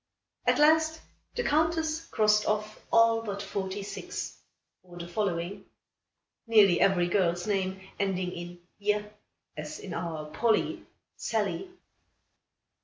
At last, the Countess crossed off all but forty six; or the following; nearly every girl's name ending in je, as in our "Polly," "Sallie."